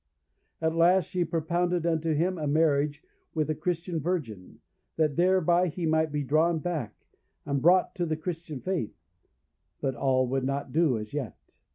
At last, she propounded unto him a marriage with a Christian virgin, that thereby he might be drawn back, and brought to the Christian faith; but all would not do as yet.